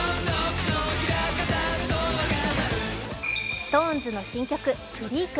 ＳｉｘＴＯＮＥＳの新曲「ＣＲＥＡＫ」。